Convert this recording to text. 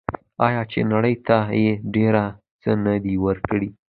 آیا چې نړۍ ته یې ډیر څه نه دي ورکړي؟